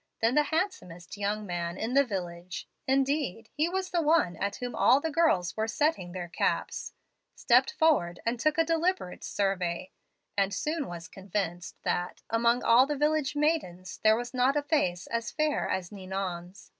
Then the handsomest young man in the village indeed he was the one at whom all the girls were setting their caps stepped forward and took a deliberate survey, and soon was convinced that, among all the village maidens, there was not a face as fair as Ninon's.